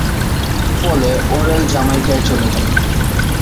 ফলে ওরেল জামাইকায় চলে যান।